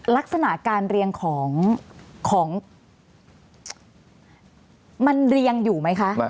ลักษณะการเรียงของมันเรียงอยู่ไหมคะ